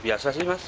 biasa sih mas